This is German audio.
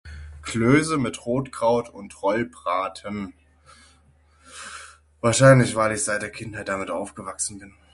Klöse mit Rotkraut und Rollbraten, wahrscheinlich weil ich seit der Kindheit damit aufgewachsen bin.